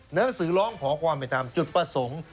หนังสือร้องขอความเป็นธรรมจุดประสงค์